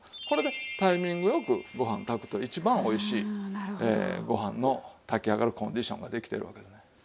これでタイミング良くご飯炊くと一番おいしいご飯の炊き上がるコンディションができてるわけですね。